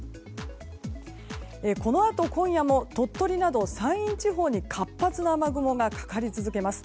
このあと今夜も鳥取など山陰地方に活発な雨雲がかかり続けます。